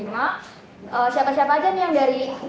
mengajak siapa saja yang dari